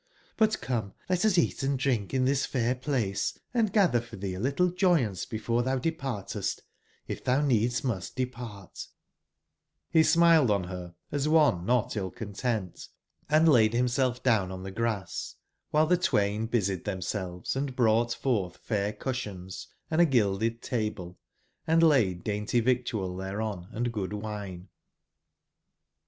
But come, let us eat and drink in this fair place, and gather for tbee a littlejo>>ance before tbou departest, if tbou needs must depart "j7 Re smiled on beras one not ill/content, and laid bimself down on tbe grass, wbile tbe twain busied tbemselves, & brougbt fortbJPair cusbions and a gildedtable,& laid dainty victual tbereon and good wine.